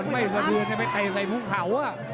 มันไม่สะเทือนไม่ไตใส่ภูเขา